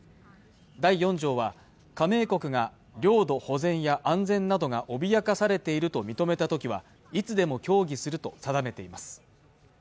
第４条は加盟国が領土保全や安全などが脅かされていると認めたときはいつでも協議すると定めています